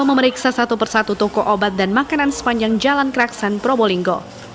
memeriksa satu persatu toko obat dan makanan sepanjang jalan keraksan probolinggo